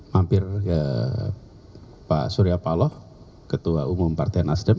mampir ke pak surya paloh ketua umum partai nasdem